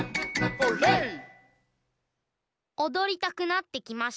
おどりたくなってきましたね。